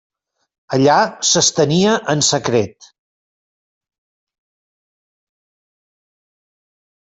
Allà s'estenia en secret.